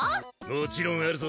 もちろんあるぞ。